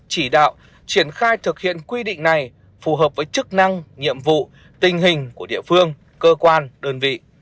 chỉ đạo triển khai thực hiện quy định này phù hợp với chức năng nhiệm vụ tình hình của địa phương cơ quan đơn vị